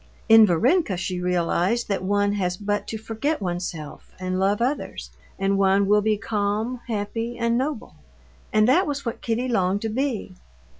In Varenka she realized that one has but to forget oneself and love others, and one will be calm, happy, and noble. And that was what Kitty longed to be.